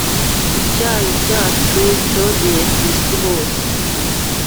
Icyayi cyacu cyogeye ku isi hose